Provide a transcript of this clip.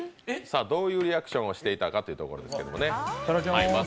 どういうリアクションをしていたかということですけどね。